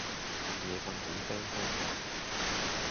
夜訓好傷身架